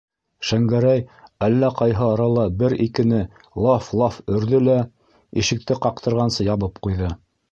Шәңгәрәй әллә ҡайһы арала бер-икене «лаф-лаф» өрҙө лә ишекте ҡаҡтырғансы ябып ҡуйҙы.